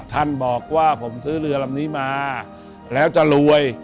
ท่านบอกว่าผมซื้อเรือลำนี้มาแล้วจะรวย